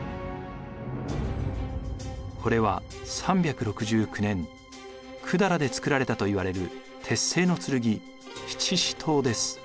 これは３６９年百済で作られたといわれる鉄製の剣七支刀です。